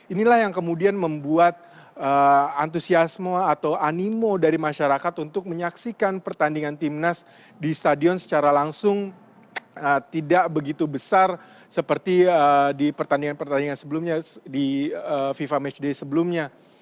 inilah yang kemudian membuat antusiasme atau animo dari masyarakat untuk menyaksikan pertandingan timnas di stadion secara langsung tidak begitu besar seperti di pertandingan pertandingan sebelumnya di fifa matchday sebelumnya